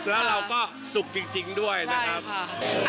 แล้วเราก็สุขจริงด้วยนะครับ